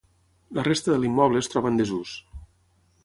La resta de l'immoble es troba en desús.